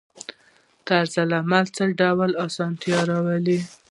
طرزالعمل څه ډول اسانتیا راوړي؟